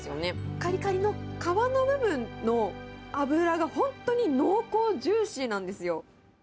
かりかりの皮の部分の脂が本当に濃厚ジューシーなんですよ。